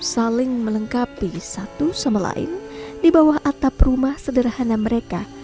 saling melengkapi satu sama lain di bawah atap rumah sederhana mereka